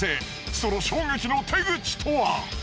その衝撃の手口とは？